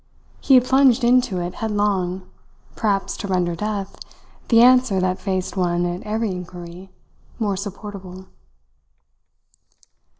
He had plunged into it headlong, perhaps to render death, the answer that faced one at every inquiry, more supportable.